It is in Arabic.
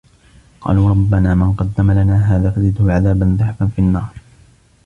قالوا رَبَّنا مَن قَدَّمَ لَنا هذا فَزِدهُ عَذابًا ضِعفًا فِي النّارِ